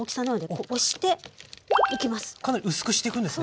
かなり薄くしていくんですね。